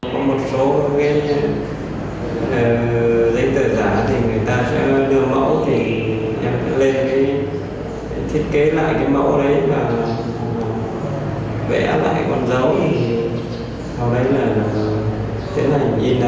có một số giấy tờ giả người ta sẽ đưa mẫu lên thiết kế lại cái mẫu đấy và vẽ lại con dấu